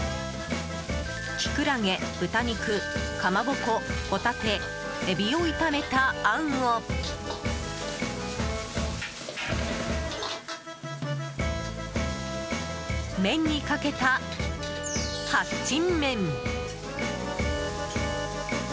キクラゲ、豚肉かまぼこ、ホタテ、エビを炒めたあんを麺にかけた八珍麺。